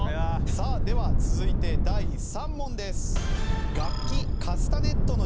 さあでは続いて第３問です。